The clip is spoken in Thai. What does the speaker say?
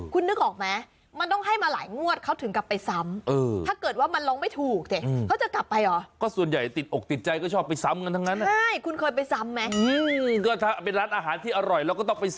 คุณนึกออกไหมมันต้องให้มาหลายงวดเขาถึงกลับไปซ้ำไหม